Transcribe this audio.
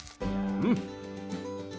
うん。